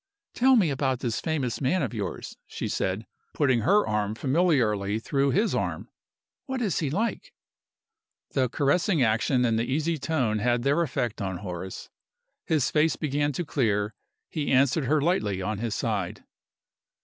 "Tell me about this famous man of yours," she said, putting her arm familiarly through his arm. "What is he like?" The caressing action and the easy tone had their effect on Horace. His face began to clear; he answered her lightly on his side.